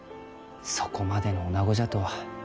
そこまでのおなごじゃとは。